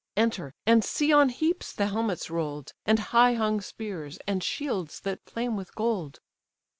Enter, and see on heaps the helmets roll'd, And high hung spears, and shields that flame with gold."